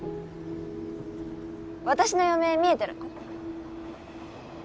私の余命見えてるの？